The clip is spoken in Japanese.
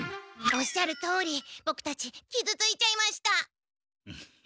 おっしゃるとおりボクたちきずついちゃいました。